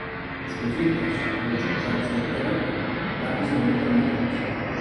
Els conflictes amb els cosacs del Terek van esdevenir permanents.